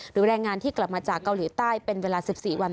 แรงงานที่กลับมาจากเกาหลีใต้เป็นเวลา๑๔วัน